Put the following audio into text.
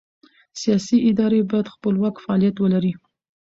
سیاسي ادارې باید خپلواک فعالیت ولري